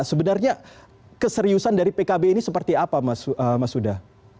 sebenarnya keseriusan dari pkb ini seperti apa mas huda